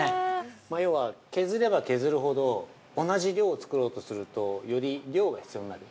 ◆要は、削れば削るほど同じ量を造ろうとするとより量が必要になる。